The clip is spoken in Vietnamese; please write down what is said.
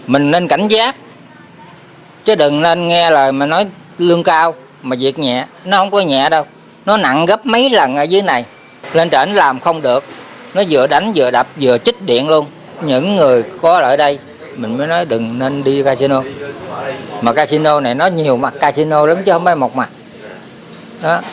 mà casino này nó nhiều mặt casino lắm chứ không phải một mặt